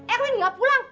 erwin juga pulang